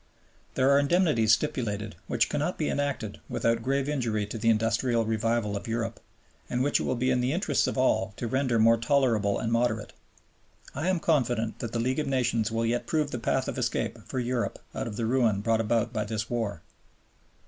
There are indemnities stipulated which cannot be enacted without grave injury to the industrial revival of Europe, and which it will be in the interests of all to render more tolerable and moderate.... I am confident that the League of Nations will yet prove the path of escape for Europe out of the ruin brought about by this war."